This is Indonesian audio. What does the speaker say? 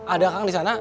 ada kang di sana